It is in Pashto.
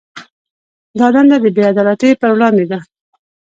دا دنده د بې عدالتۍ پر وړاندې ده.